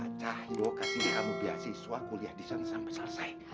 pak cah yuk kasih kamu biar siswa kuliah disana sampai selesai